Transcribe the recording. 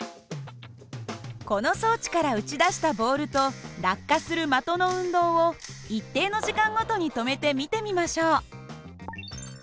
この装置から打ち出したボールと落下する的の運動を一定の時間ごとに止めて見てみましょう。